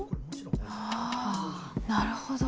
あぁなるほど。